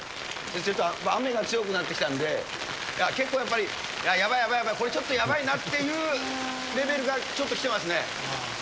ちょっと雨が強くなってきたんで、結構やっぱり、あっ、やばい、やばい、これちょっとやばいなっていうレベルが、ちょっと来てますね。